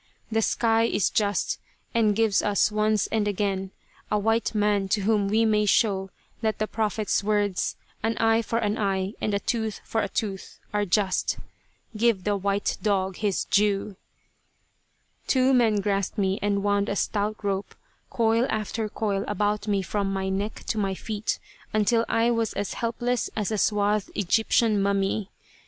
The sky is just, and gives us once and again a white man to whom we may show that the prophet's words 'an eye for an eye and a tooth for a tooth,' are just. Give the white dog his due." Two men grasped me and wound a stout rope, coil after coil, about me from my neck to my feet, until I was as helpless as a swathed Egyptian mummy.